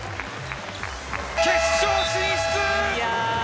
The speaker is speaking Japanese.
決勝進出！